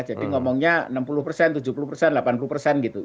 jadi ngomongnya enam puluh tujuh puluh delapan puluh gitu